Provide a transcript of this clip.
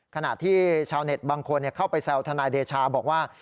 ขณะที่ชาวเน็ตบางคนเข้าไปแซวทนายเดชาบอกว่า